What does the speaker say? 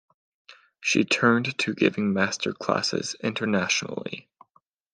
She turned to giving master classes internationally.